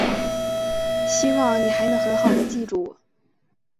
希望你还能很好地记住我。